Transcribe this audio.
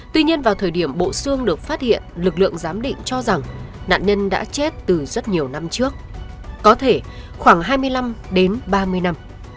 tuy nhiên vào thời điểm bộ xương được phát hiện lực lượng giám định cho rằng nạn nhân đã chết từ rất nhiều năm trước có thể khoảng hai mươi năm đến ba mươi năm